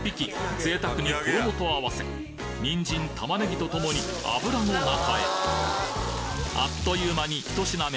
贅沢に衣と合わせニンジン玉ねぎと共に油の中へあっという間に一品目